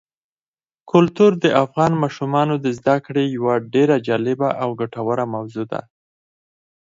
کلتور د افغان ماشومانو د زده کړې یوه ډېره جالبه او ګټوره موضوع ده.